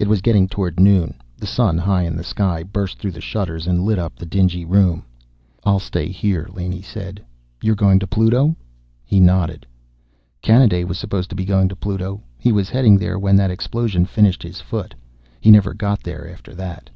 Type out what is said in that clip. It was getting toward noon. The sun, high in the sky, burst through the shutters and lit up the dingy room. "I'll stay here," Laney said. "You're going to Pluto?" He nodded. "Kanaday was supposed to be going to Pluto. He was heading there when that explosion finished his foot. He never got there after that."